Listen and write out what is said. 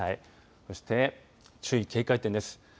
そして注意警戒点です。